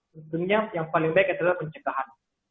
tentunya yang paling baik adalah pencegahan